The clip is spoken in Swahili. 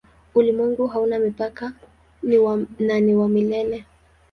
Ulimwengu hauna mipaka na ni wa milele.